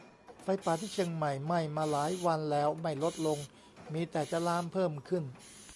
ไฟป่าที่เชียงใหม่ไหม้มาหลายวันแล้ว ไม่ลดลง มีแต่จะลามเพิ่มขึ้น